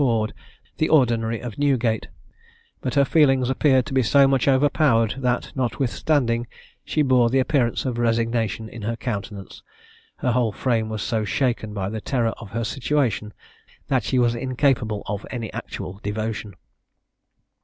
Ford, the Ordinary of Newgate; but her feelings appeared to be so much overpowered, that notwithstanding she bore the appearance of resignation in her countenance, her whole frame was so shaken by the terror of her situation, that she was incapable of any actual devotion.